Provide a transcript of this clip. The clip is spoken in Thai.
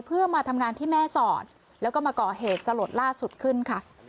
เพื่อมาทำงานที่แม่สอดแล้วก็มาก่อเหตุสลดล่าสุดขึ้นค่ะ